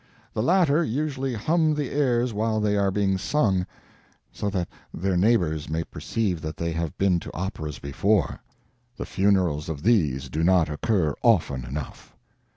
The latter usually hum the airs while they are being sung, so that their neighbors may perceive that they have been to operas before. The funerals of these do not occur often enough.